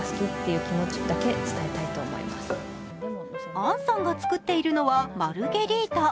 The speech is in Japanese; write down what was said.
杏さんが作っているのはマルゲリータ。